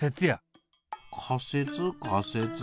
仮説仮説。